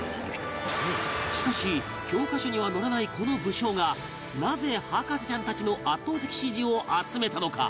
しかし教科書には載らないこの武将がなぜ博士ちゃんたちの圧倒的支持を集めたのか？